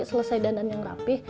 selesai dandan yang rapih